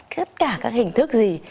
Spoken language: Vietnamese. tất cả các hình thức gì